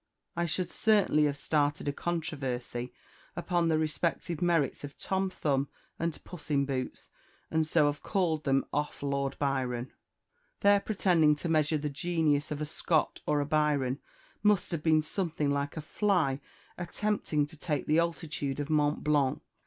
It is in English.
I should certainly have started a controversy upon the respective merits of Tom Thumb and Puss in Boots, and so have called them off Lord Byron. Their pretending to measure the genius of a Scott or a Byron must have been something like a fly attempting to take the altitude of Mont Blanc.